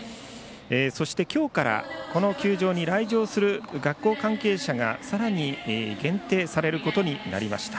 そして今日からこの球場に来場する学校関係者が、さらに限定されることになりました。